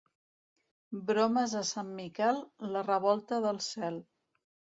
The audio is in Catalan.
Bromes a Sant Miquel, la revolta del cel.